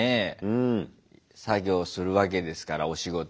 うん。作業するわけですからお仕事。